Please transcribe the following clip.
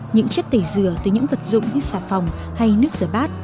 những chất tẩy dừa từ những vật dụng như xà phòng hay nước rửa bát